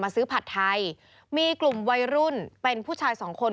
ซื้อผัดไทยมีกลุ่มวัยรุ่นเป็นผู้ชายสองคน